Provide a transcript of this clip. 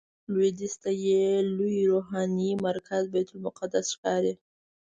لویدیځ ته یې لوی روحاني مرکز بیت المقدس ښکاري.